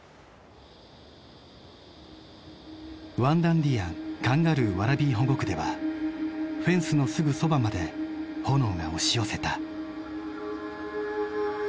ワンダンディアン・カンガルー・ワラビー保護区ではフェンスのすぐそばまで炎が押し寄せた。